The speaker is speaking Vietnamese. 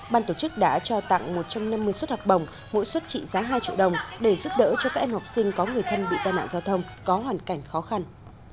ban tổ chức đã cho tặng một trăm năm mươi xuất hạt bồng mỗi xuất trị giá hai triệu đồng để giúp đỡ cho các em học sinh có người thân bị tai nạn giao thông có hoàn cảnh khó khăn